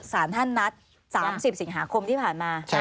สารท่านนัด๓๐สิงหาคมที่ผ่านมา